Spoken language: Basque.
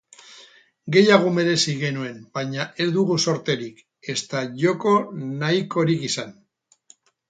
Gehiago merezi genuen baina ez dugu zorterik, ezta joko nahikorik izan.